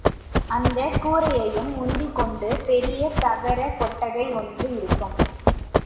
அந்தக் கூரையையும் முந்திக்கொண்டு பெரிய தகரக் கொட்டகை ஒன்று இருக்கும்.